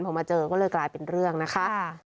พอมาเจอก็เลยกลายเป็นเรื่องนะคะ